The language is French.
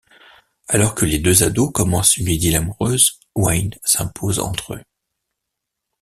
Alors que les deux ados commencent une idylle amoureuse, Wayne s'impose entre eux.